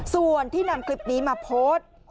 ส่วนที่นำคลิปนี้มาโพสต์